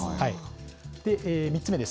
３つ目です。